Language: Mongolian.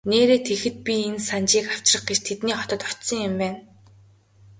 Нээрээ тэгэхэд би энэ Санжийг авчрах гэж тэдний хотод очсон юм байна.